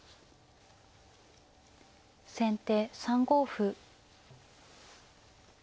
先手３五歩。